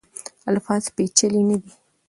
الفاظ پیچلي نه دي.